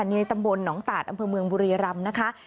ในตำบลหนองตาดอำเภอเมืองบุรีรำนะคะ